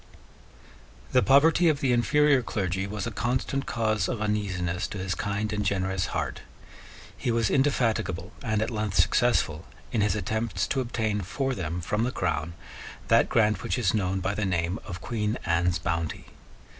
The poverty of the inferior clergy was a constant cause of uneasiness to his kind and generous heart. He was indefatigable and at length successful in his attempts to obtain for them from the Crown that grant which is known by the name of Queen Anne's Bounty.